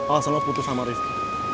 alasannya lo putus sama rifqi